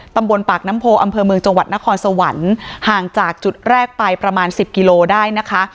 ตำบลปากน้ำโพอำเภอเมืองจังหวัดนครสวรรค์ห่างจากจุดแรกไปประมาณสิบกิโลได้นะคะ